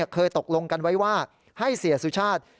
เคยตกลงกันไว้ว่าให้เสียสุชาติ